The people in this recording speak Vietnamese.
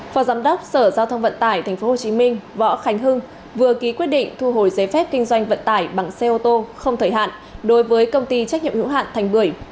phó giám đốc sở giao thông vận tải tp hcm võ khánh hưng vừa ký quyết định thu hồi giấy phép kinh doanh vận tải bằng xe ô tô không thời hạn đối với công ty trách nhiệm hữu hạn thành bưởi